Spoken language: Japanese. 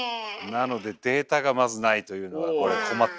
なのでデータがまずないというのが困ったことで。